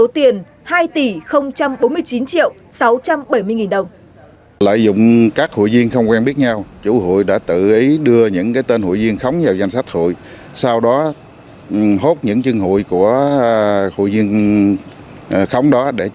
tỉ bốn mươi chín triệu sáu trăm bảy mươi nghìn đồng